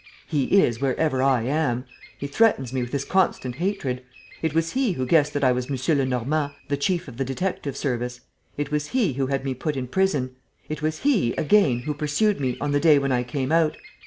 "He is wherever I am. He threatens me with his constant hatred. It was he who guessed that I was M. Lenormand, the chief of the detective service; it was he who had me put in prison; it was he, again, who pursued me, on the day when I came out.